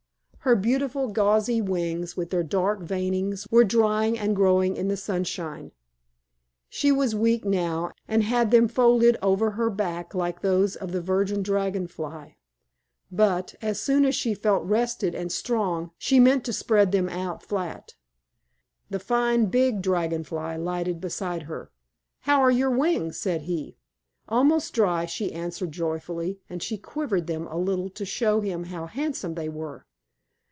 Her beautiful gauzy wings with their dark veinings, were drying and growing in the sunshine. She was weak now, and had them folded over her back like those of the Virgin Dragon Fly, but, as soon as she felt rested and strong, she meant to spread them out flat. The fine Big Dragon Fly lighted beside her. "How are your wings?" said he. "Almost dry," she answered joyfully, and she quivered them a little to show him how handsome they were.